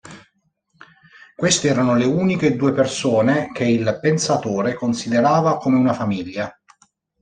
Queste erano le uniche due persone che il Pensatore considerava come una famiglia.